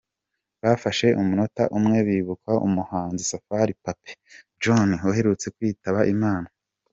Bafashe umunota umwe bibuka umuhanzi Safari Papy John uherutse kwitaba Imana.